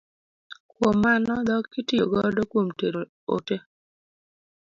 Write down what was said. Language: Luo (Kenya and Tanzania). Kuom mano dhok itiyo godo kuom tero ote.